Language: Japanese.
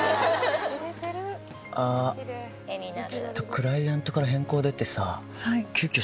ちょっとクライアントから変更出てさ急きょ